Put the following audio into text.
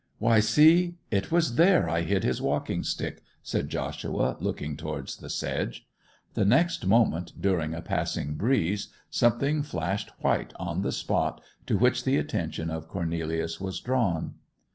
'Why see—it was there I hid his walking stick!' said Joshua, looking towards the sedge. The next moment, during a passing breeze, something flashed white on the spot to which the attention of Cornelius was drawn.